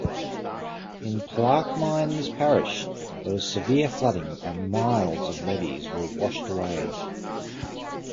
In Plaquemines Parish, there was severe flooding and miles of levees were washed away.